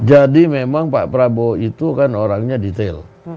jadi memang pak prabowo itu kan orangnya detail